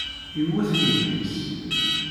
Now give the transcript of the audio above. Iwet yelli-s.